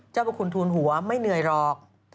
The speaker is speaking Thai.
พระคุณทูลหัวไม่เหนื่อยหรอก